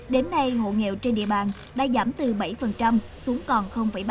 đến nay hộ nghèo trên địa bàn đã giảm từ bảy xuống còn ba